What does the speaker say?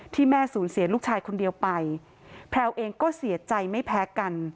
ที่แม่สูญเสียลูกชายคนเดียวไปแพลวเองก็เสียใจไม่แพ้กัน